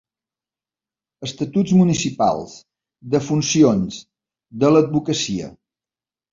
Estatuts municipals, de funcions, de l'advocacia.